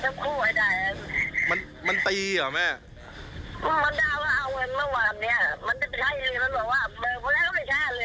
แม่แล้ววันนั้นไทยรัฐไปให้สัมภาษณ์แล้วทำไมแม่ไม่พูด